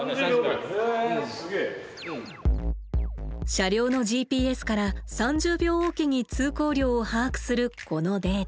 車両のＧＰＳから３０秒置きに通行量を把握するこのデータ。